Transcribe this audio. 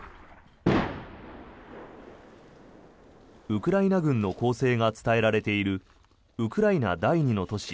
ウクライナ軍の攻勢が伝えられているウクライナ第２の都市